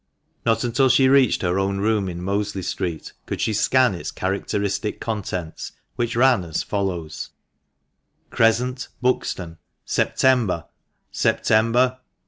Not until she reached her own room in Mosley Street, could she scan its characteristic contents, which ran as follows :—" Crescent, Buxton, "September , 1821.